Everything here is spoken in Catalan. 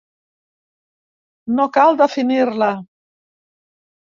No cal definir-la.